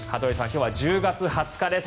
今日は１０月２０日です。